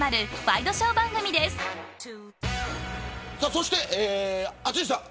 そして淳さん